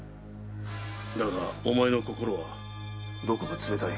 だがお前の心はどこか冷たい。